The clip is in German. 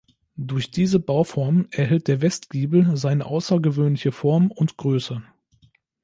Durch diese Bauform erhält der Westgiebel seine außergewöhnliche Form und Größe.